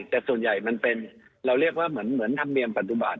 แต่ส่วนใหญ่มันเป็นเราเรียกว่าเหมือนธรรมเนียมปฏิบัติ